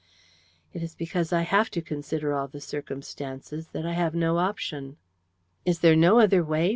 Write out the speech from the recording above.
"It is because I have to consider all the circumstances that I have no option." "Is there no other way?"